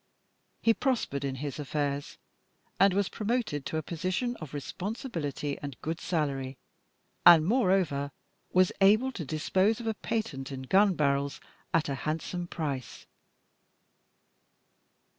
He prospered in his affairs, was promoted to a position of responsibility with a good salary, and, moreover, was able to dispose of a patent in gun barrels at a handsome price.